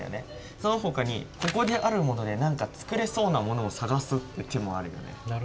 そのほかにここであるもので何か作れそうなものを探すっていう手もあるよね。